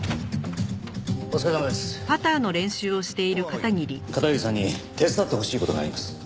片桐さんに手伝ってほしい事があります。